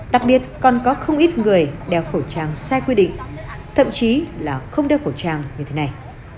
đặc biệt còn có không ít người đeo khẩu trang sai quy định thậm chí là không đeo khẩu trang như thế này